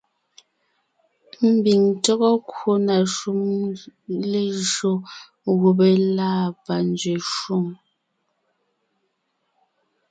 Mbiŋ tÿɔ́gɔ kwò na shúm lejÿó gubé lâ panzwě shwòŋ,